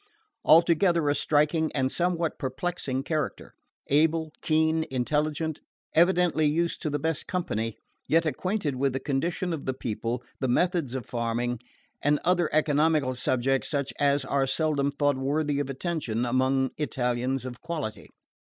Altogether a striking and somewhat perplexing character: able, keen, intelligent, evidently used to the best company, yet acquainted with the condition of the people, the methods of farming, and other economical subjects such as are seldom thought worthy of attention among Italians of quality.